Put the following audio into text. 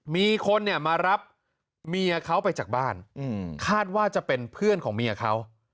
มีคนเนี่ยมารับเมียเขาไปจากบ้านคาดว่าจะเป็นเพื่อนของเมียเขา